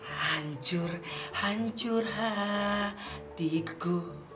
hancur hancur hatiku